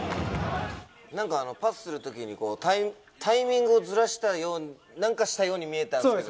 なんかパスするときに、タイミングをずらしたように、なんかしたように見えたんですけ